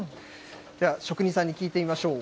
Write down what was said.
では、職人さんに聞いてみましょう。